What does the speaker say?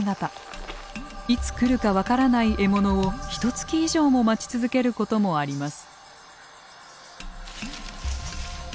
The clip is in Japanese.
いつ来るか分からない獲物をひとつき以上も待ち続けることもあります。